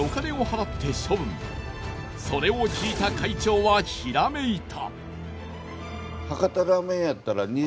それを聞いた会長はひらめいた。